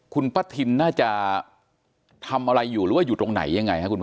คุณป้าทินน่าจะทำอะไรอยู่หรือว่าอยู่ตรงไหนยังไงครับคุณพ่อ